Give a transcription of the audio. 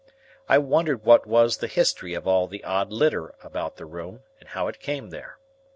I wondered what was the history of all the odd litter about the room, and how it came there.